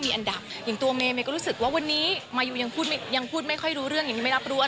เมย์ยังตอบลูกแล้วว่าอ๋อเพราะหนูต้องตั้งใจเรียนนะลูก